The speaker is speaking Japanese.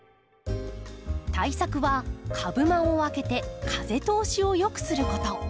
対策は株間をあけて風通しを良くすること。